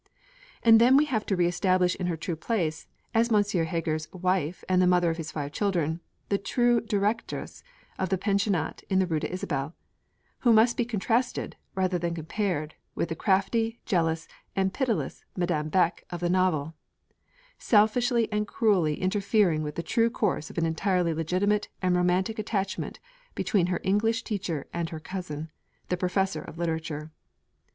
And then we have to re establish in her true place, as Monsieur Heger's wife and the mother of his five children, the true Directress of the Pensionnat in the Rue d'Isabelle who must be contrasted, rather than compared, with the crafty, jealous and pitiless Madame Beck of the novel, selfishly and cruelly interfering with the true course of an entirely legitimate and romantic attachment between her English teacher and her cousin, the Professor of literature.